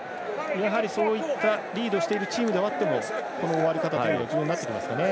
やはり、そういったリードしているチームであっても終わり方は重要になってきますか。